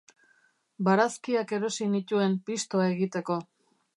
Barazkiak erosi nituen pistoa egiteko.